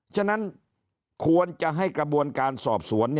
ฉะนั้นควรจะให้กระบวนการสอบสวน